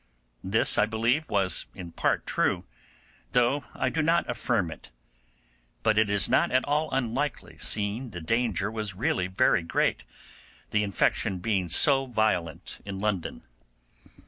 This, I believe, was in part true, though I do not affirm it; but it is not at all unlikely, seeing the danger was really very great, the infection being so violent in London.